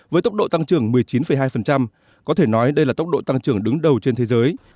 với tốc độ tăng trưởng một mươi chín hai có thể nói đây là tốc độ tăng trưởng đứng đầu trên thế giới